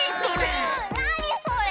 なにそれ？